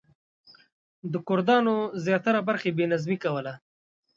د کردانو زیاتره برخه بې نظمي کوله.